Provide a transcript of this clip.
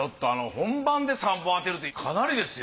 本番で３本当てるってかなりですよ。